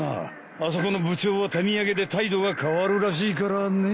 あそこの部長は手土産で態度が変わるらしいからね。